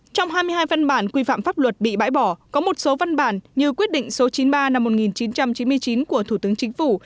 trong hai mươi hai văn bản quy phạm pháp luật bị bãi bỏ có một số văn bản như quyết định số chín mươi ba năm một nghìn chín trăm chín mươi chín của thủ tướng chính phủ